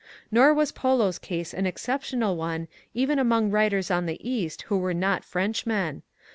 f Nor was Polo's case an exceptional one even among writers on the East who were not Frenchmen.